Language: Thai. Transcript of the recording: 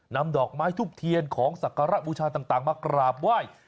นำดอกไม้ทุบเทียนของสักการะบูชาต่างมากราบไหว้